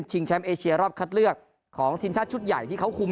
แชมป์เอเชียรอบคัดเลือกของทีมชาติชุดใหญ่ที่เขาคุม